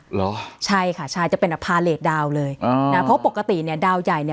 เหรอใช่ค่ะใช่จะเป็นอภาเลสดาวเลยอ่านะเพราะปกติเนี่ยดาวใหญ่เนี่ย